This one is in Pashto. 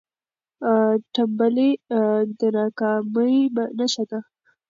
ټنبلي د ناکامۍ نښه ده.